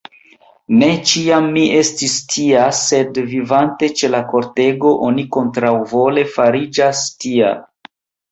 Ne ĉiam mi estis tia; sed, vivante ĉe la kortego, oni kontraŭvole fariĝas tia.